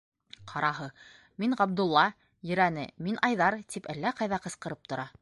Ҡараһы: «Мин Ғабдулла», ерәне: «Мин Айҙар», - тип әллә ҡайҙан ҡысҡырып тора.